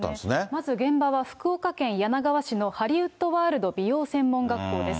まず現場は福岡県柳川市のハリウッドワールド美容専門学校です。